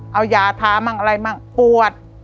เอายาทาบ้างอะไรบ้างปวด